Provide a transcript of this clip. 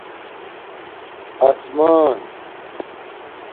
اسمان